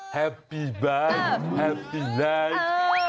แฮปปี้บายแฮปปี้ไลฟ์